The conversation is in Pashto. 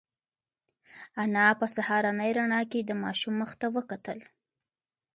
انا په سهارنۍ رڼا کې د ماشوم مخ ته وکتل.